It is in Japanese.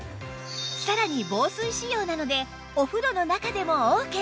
さらに防水仕様なのでお風呂の中でもオーケー